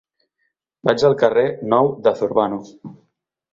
Vaig al carrer Nou de Zurbano.